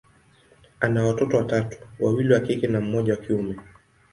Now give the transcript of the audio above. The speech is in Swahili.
ana watoto watatu, wawili wa kike na mmoja wa kiume.